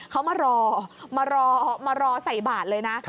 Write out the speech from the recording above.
เขามารอมารอมารอใส่บาทเลยนะ